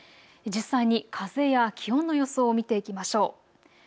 実際に風や気温の予想を見ていきましょう。